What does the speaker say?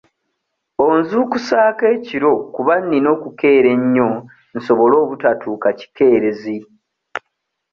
Onzuukusaako ekiro kuba nnina okukeera ennyo nsobole obutatuuka kikeerezi.